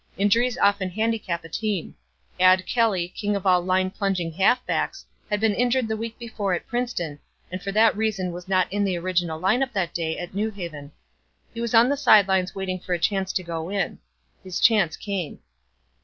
Injuries often handicap a team. Ad Kelly, king of all line plunging halfbacks, had been injured the week before at Princeton and for that reason was not in the original lineup that day at New Haven. He was on the side lines waiting for a chance to go in. His chance came.